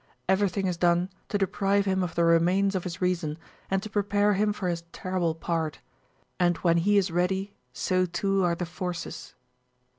Everything is done to deprive him of the remains of his reason and to prepare him for his terrible part. And when he is ready so too are the forces.